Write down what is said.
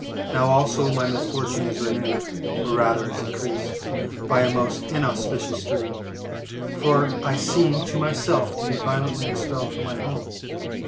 now also my misfortune is renewed, or rather is increased, by a most inauspicious dream. For I seemed to myself to be violently expelled from my home, from 7 For an account of